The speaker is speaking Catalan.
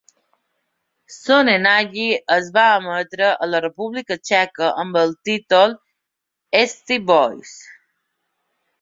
"Sonnenallee" es va emetre a la República Txeca amb el títol "Eastie Boys".